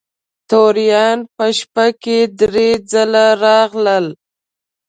توریان په شپه کې درې ځله راغلل.